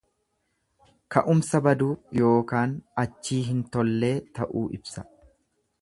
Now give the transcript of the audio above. Ka'umsa baduu yookaan achii hin tollee ta'uu ibsa.